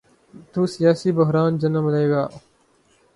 تو سیاسی بحران جنم لے گا۔